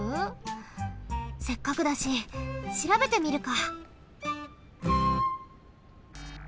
せっかくだししらべてみるか。